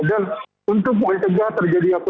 dan untuk mengejarkan terjadi apa